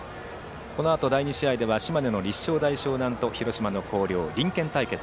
このあと第２試合では島根の立正大淞南と広島の広陵、隣県対決。